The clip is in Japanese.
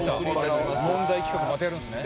問題企画またやるんですね。